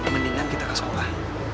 mendingan kita ke sekolah